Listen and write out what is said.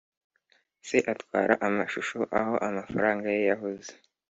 “se atwara amashusho aho amafaranga ye yahoze.